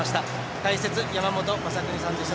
解説は山本昌邦さんでした。